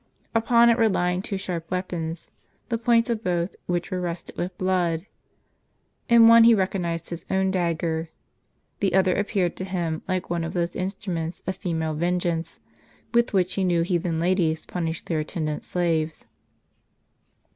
Upon it were lying two sharp weapons, the points of both which were rusted with blood. In one he recognized his own dagger ; the other appeared to him like one of those instruments of female vengeance, with which he knew heathen ladies punished their attendant slaves.